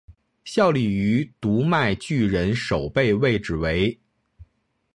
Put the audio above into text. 效力于读卖巨人守备位置为。